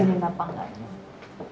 izinin apa enggak tuh